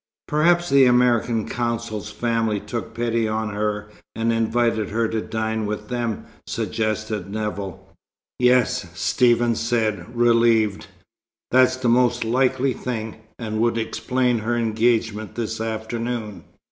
"Perhaps the American Consul's family took pity on her, and invited her to dine with them," suggested Nevill. "Yes," Stephen said, relieved. "That's the most likely thing, and would explain her engagement this afternoon."